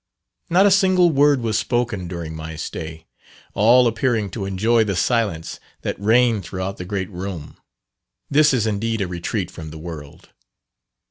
Not a single word was spoken during my stay, all appearing to enjoy the silence that reigned throughout the great room. This is indeed a retreat from the world.